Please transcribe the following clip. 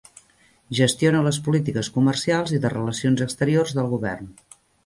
Gestiona les polítiques comercials i de relacions exteriors del govern.